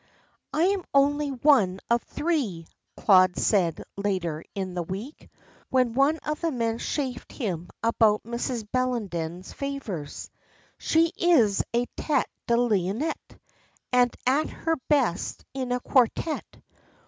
"I am only one of three," Claude said later in the week, when one of the men chaffed him about Mrs. Bellenden's favours. "She is a tête de linotte, and at her best in a quartette.